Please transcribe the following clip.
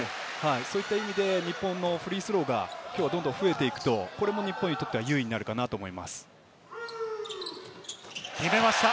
そういった意味で、日本のフリースローがきょうはどんどん増えていくと日本にとっては有利になるかなと思います。